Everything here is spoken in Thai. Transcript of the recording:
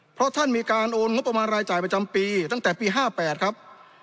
เพราะท่านมีการโอนงบประมาณรายจ่ายประจำปีตั้งแต่ปี๕๘ครับ